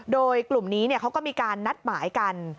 โดยกลุ่มนี้เขาก็มีการนัดหมายกัน